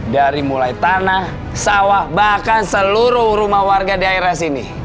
dari mulai tanah sawah bahkan seluruh rumah warga daerah sini